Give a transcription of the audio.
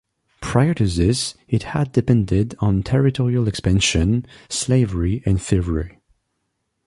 Prior to this, it had depended on territorial expansion, slavery and thievery.